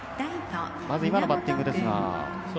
まず、今のバッティングですが。